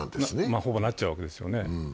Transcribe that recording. ほぼなっちゃうわけですよね。